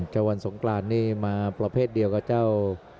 เจ้าวันสงกรานนี่มาประเภทเดียวกับเจ้า